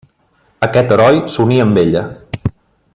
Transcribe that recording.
Aquest heroi s'uní amb ella.